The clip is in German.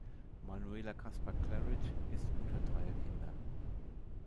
Manuela Kasper-Claridge ist Mutter dreier Kinder.